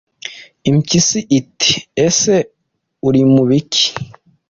Impyisi iti ese uri mu biki